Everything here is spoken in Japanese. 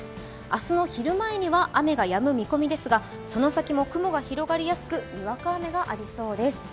明日の昼前には雨がやむ見込みですが、その先も雲が広がりやすくにわか雨がありそうです。